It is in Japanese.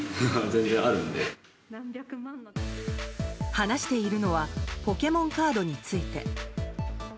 話しているのはポケモンカードについて。